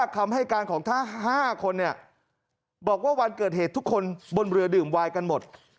คำให้การของทั้ง๕คนบอกว่าวันเกิดเหตุทุกคนบนเรือดื่มวายกันหมด